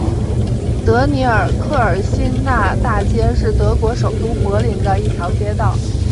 尼德尔克尔新纳大街是德国首都柏林的一条街道。